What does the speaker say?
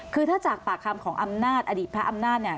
คือถ้าจากปากคำของอำนาจอดีตพระอำนาจเนี่ย